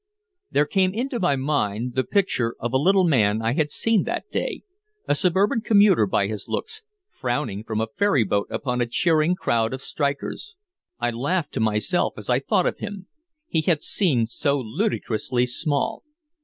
There came into my mind the picture of a little man I had seen that day, a suburban commuter by his looks, frowning from a ferryboat upon a cheering crowd of strikers. I laughed to myself as I thought of him. He had seemed so ludicrously small.